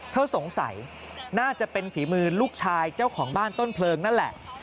สงสัยน่าจะเป็นฝีมือลูกชายเจ้าของบ้านต้นเพลิงนั่นแหละ